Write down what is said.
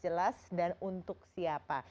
jelas dan untuk siapa